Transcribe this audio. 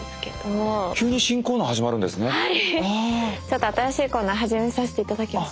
ちょっと新しいコーナー始めさせて頂きます。